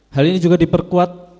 hal ini juga diperkuat